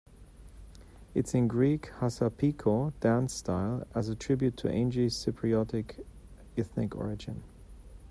It's in Greek "hassapiko" dance style, as a tribute to Angie's Cypriot ethnic origin.